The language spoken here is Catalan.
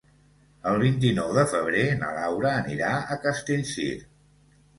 El vint-i-nou de febrer na Laura anirà a Castellcir.